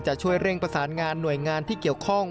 จะช่วยเร่งประสานงานหน่วยงานที่เกี่ยวข้อง